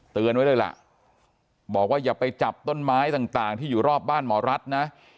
ไว้เลยล่ะบอกว่าอย่าไปจับต้นไม้ต่างที่อยู่รอบบ้านหมอรัฐนะ